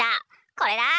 これだー！